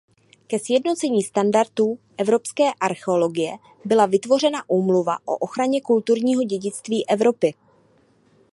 Ke sjednocení standardů evropské archeologie byla vytvořena Úmluva o ochraně kulturního dědictví Evropy.